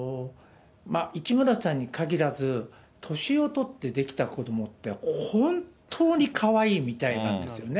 市村さんに限らず、年をとってできた子どもって、本当にかわいいみたいなんですよね。